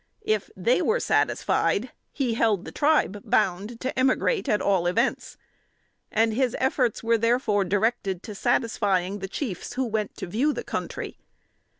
If they were satisfied, he held the Tribe bound to emigrate at all events; and his efforts were, therefore, directed to satisfying the chiefs who went to view the country.